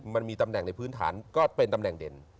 มันมีตำแหน่งในพื้นฐานก็เป็นตำแหน่งเด่น